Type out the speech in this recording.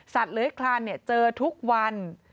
สัตว์เหลือคลานเจอทุกวัน